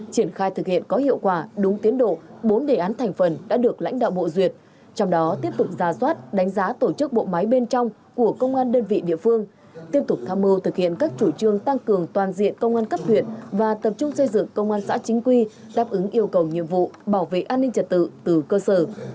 triển khai thực hiện có hiệu quả đúng tiến độ bốn đề án thành phần đã được lãnh đạo bộ duyệt trong đó tiếp tục ra soát đánh giá tổ chức bộ máy bên trong của công an đơn vị địa phương tiếp tục tham mưu thực hiện các chủ trương tăng cường toàn diện công an cấp huyện và tập trung xây dựng công an xã chính quy đáp ứng yêu cầu nhiệm vụ bảo vệ an ninh trật tự từ cơ sở